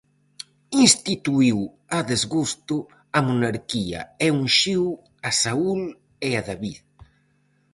Instituíu a desgusto a monarquía e unxiu a Saúl e a David.